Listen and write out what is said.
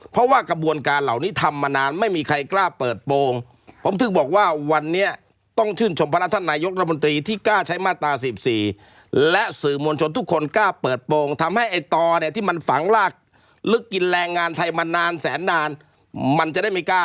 เพราะว่ากระบวนการเหล่านี้ทำมานานไม่มีใครกล้าเปิดโปรงผมถึงบอกว่าวันนี้ต้องชื่นชมพนักท่านนายกรัฐมนตรีที่กล้าใช้มาตรา๑๔และสื่อมวลชนทุกคนกล้าเปิดโปรงทำให้ไอ้ตอเนี่ยที่มันฝังลากลึกกินแรงงานไทยมานานแสนนานมันจะได้ไม่กล้า